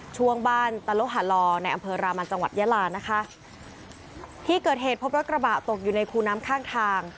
ช่วงบ้านตะโลหาลอในอำเภอรามันจังหวัดยาลานะคะที่เกิดเหตุพบรถกระบะตกอยู่ในคูน้ำข้างทาง